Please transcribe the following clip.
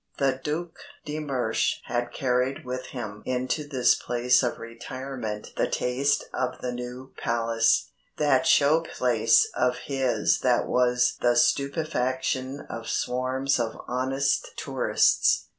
The Duc de Mersch had carried with him into this place of retirement the taste of the New Palace, that show place of his that was the stupefaction of swarms of honest tourists.